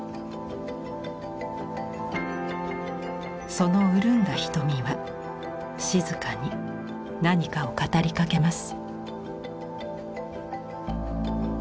そのうるんだ瞳は静かに何かを語りかけます。